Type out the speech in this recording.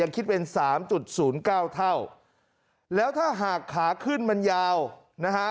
ยังคิดเป็น๓๐๙เท่าแล้วถ้าหากขาขึ้นมันยาวนะฮะ